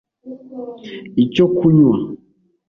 icyo kunywa